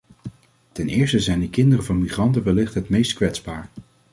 Ten eerste zijn de kinderen van migranten wellicht het meest kwetsbaar.